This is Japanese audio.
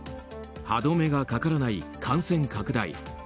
歯止めがかからない感染拡大。